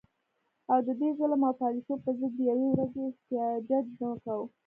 او د دې ظلم او پالیسو په ضد د یوې ورځي احتجاج نه کوو